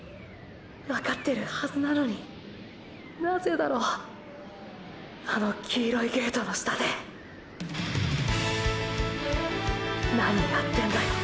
わかってるはずなのに何故だろうあの黄色いゲートの下で「何やってんだよ」